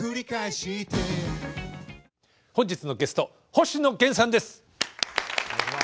本日のゲスト星野源さんです。